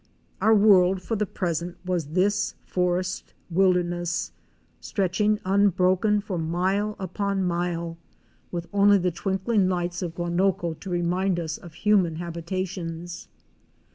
Our world, for the present, was this forest wilder ness, stretching unbroken for mile upon mile, with only the A WOMAN'S EXPERIENCES IN VENEZUELA. 93 twinkling lights of Guanoco to remind us of human habita tions.